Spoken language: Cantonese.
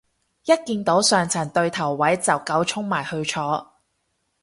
一見到上層對頭位就狗衝埋去坐